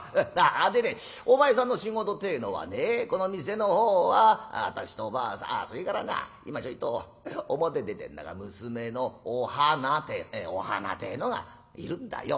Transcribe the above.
あっでねお前さんの仕事ってえのはねこの店の方は私とおばあさんあっそれからな今ちょいと表出てんだが娘のお花てお花てえのがいるんだよ。